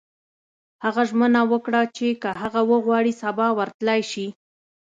هغه ژمنه وکړه چې که هغه وغواړي سبا ورتلای شي